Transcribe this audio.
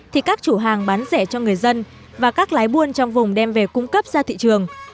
thì các chủ hàng bán rẻ cho người dân và các lái buôn trong vùng đem về cung cấp ra thị trường